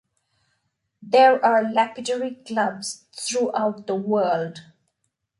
There are lapidary clubs throughout the world.